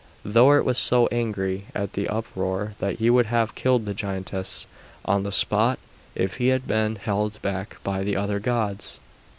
Thor was so angry at the uproar that he would have killed the giantess on the spot if he had not been held back by the other gods.